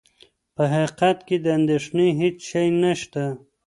په حقیقت کې د اندېښنې هېڅ شی نه شته.